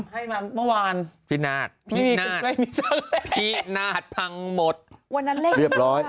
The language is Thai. ให้มาเมื่อวานพินาศพินาศพินาศพังหมดวันนั้นเลขเยอะล่ะ